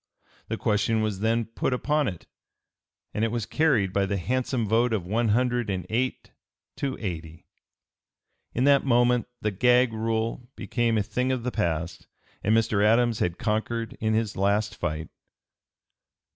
The question was then put upon it, and it was carried by the handsome vote of one hundred and eight to eighty. In that moment the "gag" rule became a thing of the past, and Mr. Adams had conquered in his last fight.